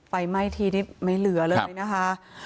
ไฟไหม้ทีนี้ไม่เหลือเลยนะคะ